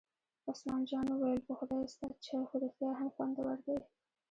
عثمان جان وویل: په خدای ستا چای خو رښتیا هم خوندور دی.